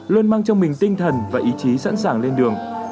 luôn mang trong mình tinh thần và ý chí sẵn sàng lên đường